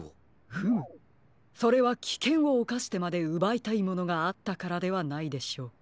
フムそれはきけんをおかしてまでうばいたいものがあったからではないでしょうか。